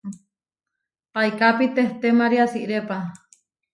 Paikápi tehtémari asirépa.